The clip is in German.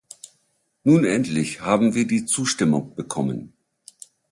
Nun endlich haben wir die Zustimmung bekommen.